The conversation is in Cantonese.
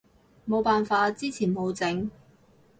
冇辦法，之前冇整